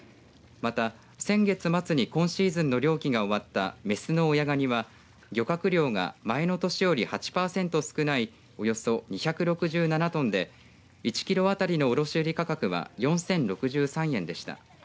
また、先月末に今シーズンの漁期が終わった雌の親がには漁獲量が前の年より８パーセント少ないおよそ２６７トンで１キロ当たりの卸売価格は４０６３円でした。